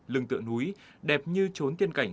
lưng tượng núi đẹp như trốn tiên cảnh